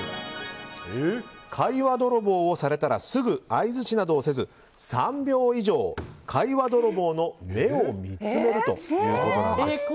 会話泥棒をされたらすぐ相槌などをせず３秒以上、会話泥棒の目を見つめるということなんです。